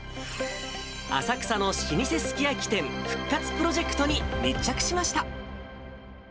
浅草の老舗すき焼き店復活プロジェクトに密着しました。